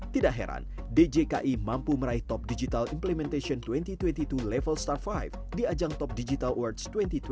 tidak heran djki mampu meraih top digital implementation dua ribu dua puluh dua level star lima di ajang top digital awards dua ribu dua puluh